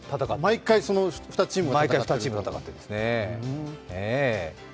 毎回その２チームが戦ってるんですって。